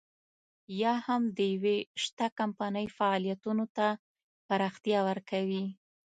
یا هم د يوې شته کمپنۍ فعالیتونو ته پراختیا ورکوي.